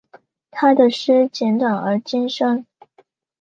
他的诗简短而精深。